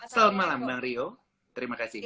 selamat malam bang rio terima kasih